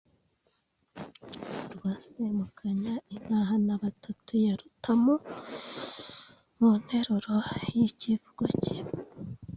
urwa Semukanya intahanabatatu ya Rutamu mu nteruro y’icyivugo cye,